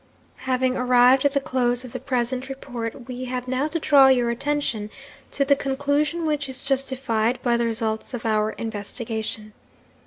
'Having arrived at the close of the present report, we have now to draw your attention to the conclusion which is justified by the results of our investigation.